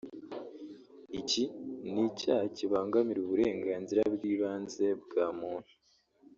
Iki n’icyaha kibangamira uburenganzira bw’ibanze bwa muntu